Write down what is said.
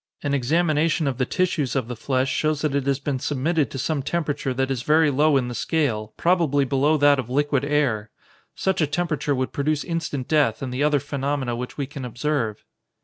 An examination of the tissues of the flesh shows that it has been submitted to some temperature that is very low in the scale, probably below that of liquid air. Such a temperature would produce instant death and the other phenomena which we can observe."